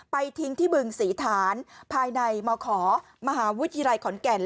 ทิ้งที่บึงศรีฐานภายในมขมหาวิทยาลัยขอนแก่น